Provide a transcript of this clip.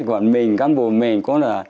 còn mình cán bộ mình cũng là